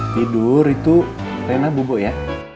tidur itu rena bubuk ya